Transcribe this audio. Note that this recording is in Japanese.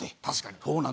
確かに。